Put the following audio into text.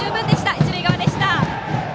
一塁側でした。